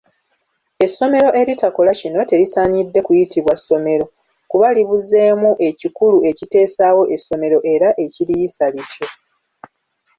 Essomero eritakola kino terisaanidde kuyitibwa ssomero, kuba libuzeemu ekikulu ekitesaawo essomero era ekiriyisa lityo.